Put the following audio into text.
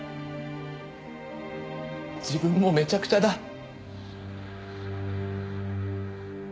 自分もめちゃくちゃだ。